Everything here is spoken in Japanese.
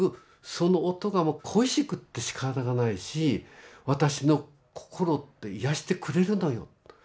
その音がもう恋しくってしかたがないし私の心を癒やしてくれるのよ」と。